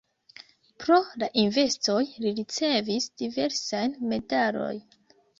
Pro la investoj li ricevis diversajn medalojn.